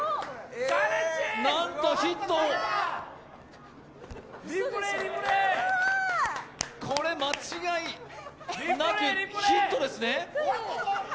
なんとヒットこれ、間違いなく、ヒットですね？